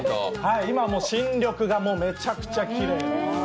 今は新緑がめちゃくちゃきれいです。